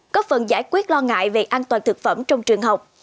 có phần giải quyết lo ngại về an toàn thực phẩm trong trường học